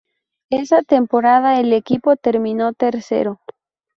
Esa temporada el equipo terminó tercero.